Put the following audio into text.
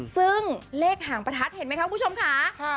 ซึ่งเลขหางประทัดเห็นไหมคะคุณผู้ชมค่ะ